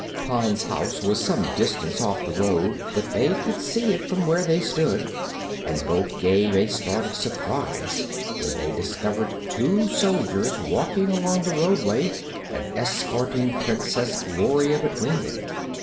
Pon's house was some distance off the road, but they could see it from where they stood and both gave a start of surprise when they discovered two soldiers walking along the roadway and escorting Princess Gloria between them.